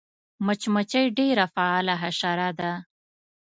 مچمچۍ ډېره فعاله حشره ده